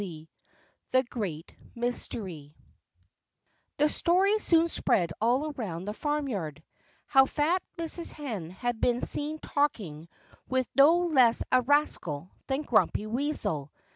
XV THE GREAT MYSTERY The story soon spread all around the farmyard, how fat Mrs. Hen had been seen talking with no less a rascal than Grumpy Weasel.